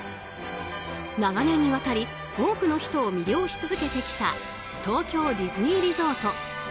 長年にわたり多くの人を魅了し続けてきた東京ディズニーリゾート。